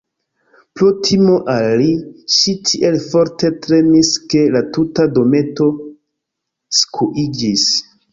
Pro timo al li, ŝi tiel forte tremis ke la tuta dometo skuiĝis.